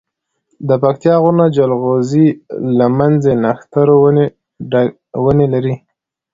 دپکتيا غرونه جلغوزي، لمنځی، نښتر ونی لری